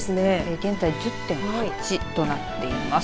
現在１０．８となっています。